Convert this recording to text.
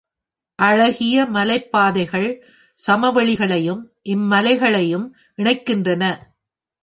அழகிய மலைப் பாதைகள் சமவெளிகளையும் இம் மலைகளையும் இணைக்கின்றன.